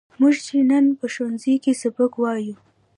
موږ چې نن په ښوونځي کې سبق وایو.